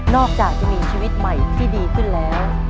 อกจากจะมีชีวิตใหม่ที่ดีขึ้นแล้ว